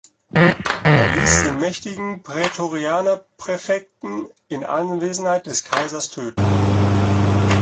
Er ließ den mächtigen Prätorianerpräfekten in Anwesenheit des Kaisers töten.